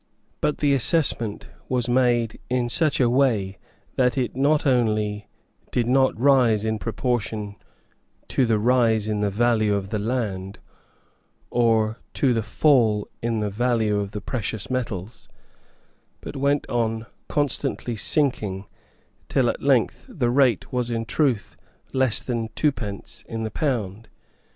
But the assessment was made in such a way that it not only did not rise in proportion to the rise in the value of land or to the fall in the value of the precious metals, but went on constantly sinking, till at length the rate was in truth less than twopence in the pound.